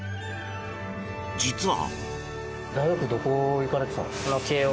実は。